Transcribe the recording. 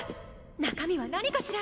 中身は何かしら？